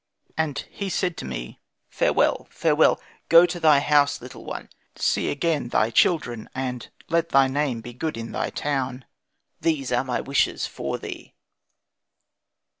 Then he said to me. 'Farewell, farewell, go to thy house, little one, see again thy children, and let thy name be good in thy town; these are my wishes for thee.'"